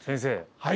はい。